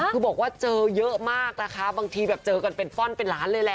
คือบอกว่าเจอเยอะมากนะคะบางทีแบบเจอกันเป็นฟ่อนเป็นล้านเลยแหละ